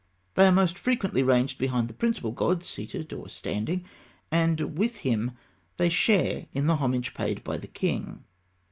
They are most frequently ranged behind the principal god, seated or standing; and with him they share in the homage paid by the king.